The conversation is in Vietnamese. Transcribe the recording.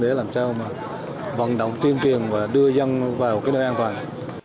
để làm sao mà vận động tuyên truyền và đưa dân vào cái nơi an toàn